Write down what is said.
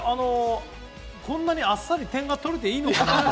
こんなにあっさり点が取れていいのかなと。